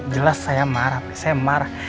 jelas saya marah